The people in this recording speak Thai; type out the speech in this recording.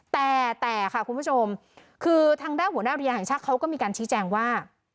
แต่แต่ค่ะคุณผู้ชมคือทางด้านหัวหน้าอุทยานแห่งชาติเขาก็มีการชี้แจงว่า